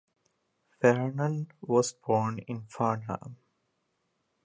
Vernon was born in Farnham.